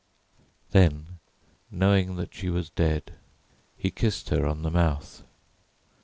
Then, knowing that she was dead, he kissed her on the mouth.